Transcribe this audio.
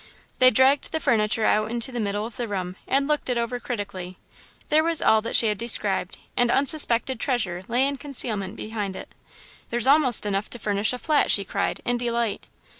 They dragged the furniture out into the middle of the room and looked it over critically. There was all that she had described, and unsuspected treasure lay in concealment behind it. "There's almost enough to furnish a flat!" she cried, in delight.